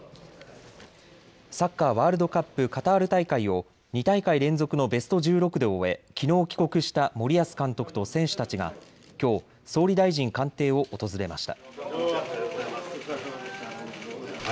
サッカーワールドカップカタール大会を２大会連続のベスト１６で終え、きのう帰国した森保監督と選手たちがきょう総理大臣官邸を訪れました。